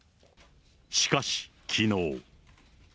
しかし、きのう。